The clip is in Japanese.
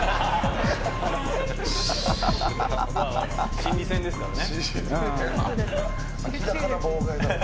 心理戦ですからね。